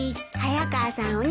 早川さん